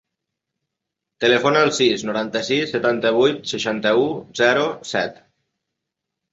Telefona al sis, noranta-sis, setanta-vuit, seixanta-u, zero, set.